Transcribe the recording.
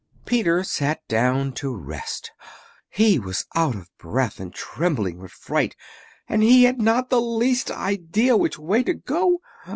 Peter sat down to rest; he was out of breath and trembling with fright, and he had not the least idea which way to go.